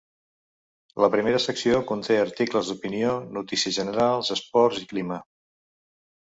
La primera secció conté articles d'opinió, notícies generals, esports i clima.